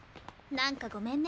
何かごめんね。